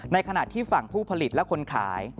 ขณะที่ฝั่งผู้ผลิตและคนขาย